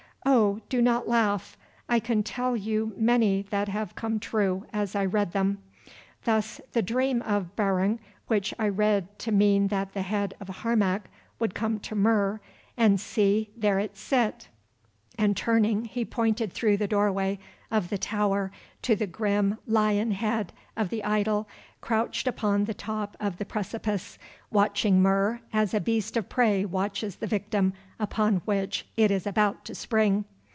Oh! do not laugh. I can tell you many that have come true as I read them; thus the dream of Barung which I read to mean that the head of Harmac would come to Mur, and see, there it sit," and turning, he pointed through the doorway of the tower to the grim lion head of the idol crouched upon the top of the precipice, watching Mur as a beast of prey watches the victim upon which it is about to spring.